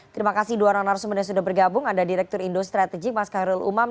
terima kasih dua orang yang harus sudah bergabung ada direktur indo strategy mas karyul umam